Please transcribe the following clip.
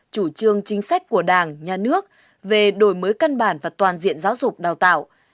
chủ trương chính sách của đảng nhà nước về đổi mới căn bản và toàn diện giáo dục đào tạo